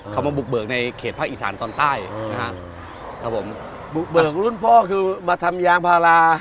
เขามาบุกเบิกในเขตภาคอีสานตอนใต้นะฮะครับผมบุกเบิกรุ่นพ่อคือมาทำยางพารา